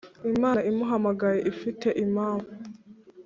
imana imuhamagaye ifite impamvu